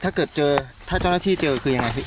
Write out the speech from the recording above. ถ้าเจอถ้าเจ้าหน้าที่เจอคือยังไง